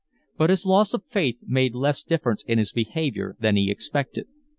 But his loss of faith made less difference in his behaviour than he expected.